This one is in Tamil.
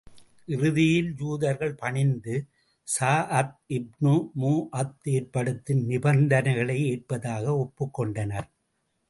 இறுதியில், யூதர்கள் பணிந்து, ஸஅத் இப்னு முஆத் ஏற்படுத்தும் நிபந்தனைகளை ஏற்பதாக ஒப்புக் கொண்டனர்.